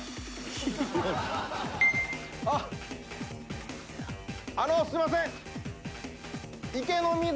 あっあのすいません